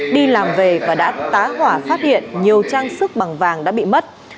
đi làm về và đã tá hỏa phát hiện nhiều trang sức bằng vàng đã bị mất